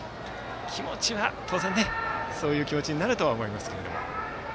気持ちは当然、そういう気持ちになるとは思いますけども。